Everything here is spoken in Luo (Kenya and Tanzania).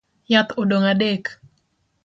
Yath odong’ adek